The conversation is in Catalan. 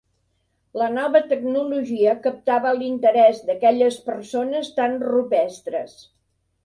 La nova tecnologia captava l'interès d'aquelles persones tan rupestres.